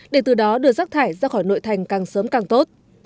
để từ đó đưa rác thải ra khỏi nội thành càng sớm càng tốt